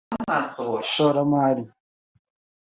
Ishoramari